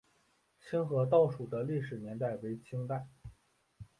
清河道署的历史年代为清代。